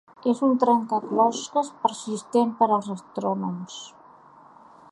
És un trencaclosques persistent per als astrònoms.